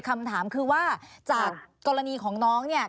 คำถามคือว่าจากกรณีของน้องเนี่ย